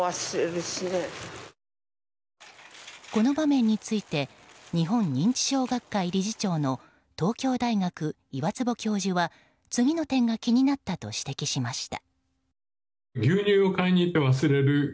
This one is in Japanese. この場面について日本認知症学会理事長の東京大学、岩坪教授は次の点が気になったと指摘しました。